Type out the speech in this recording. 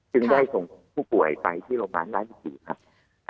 จึงได้ส่งผู้ป่วยไปที่โรงพยาบาลราชบุรีครับ